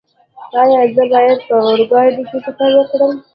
ایا زه باید په اورګاډي کې سفر وکړم؟